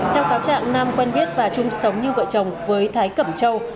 theo cáo trạng nam quen biết và chung sống như vợ chồng với thái cẩm châu